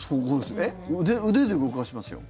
えっ、腕で動かしますよ。